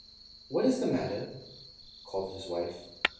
"What is the matter?" called his wife.